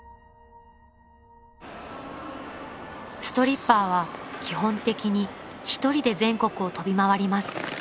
［ストリッパーは基本的に一人で全国を飛び回ります］